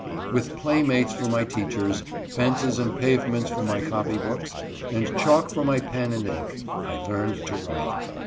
With play mates for my teachers, fences and pavements for my copy books, and chalk for my pen and ink, I learned to write.